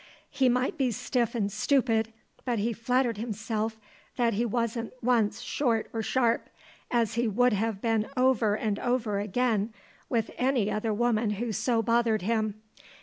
He might be stiff and stupid, but he flattered himself that he wasn't once short or sharp as he would have been over and over again with any other woman who so bothered him.